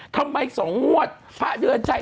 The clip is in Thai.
ทำไม๒๑พระเยือนชัย